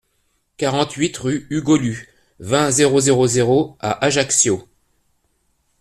quarante-huit rue U Golu, vingt, zéro zéro zéro à Ajaccio